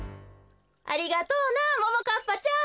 ありがとうなももかっぱちゃん！